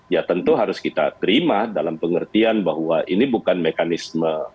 ya tentu harus kita terima dalam pengertian bahwa ini bukan mekanisme